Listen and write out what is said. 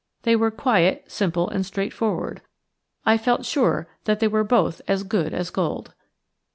They were quiet, simple, and straightforward. I felt sure that they were both as good as gold.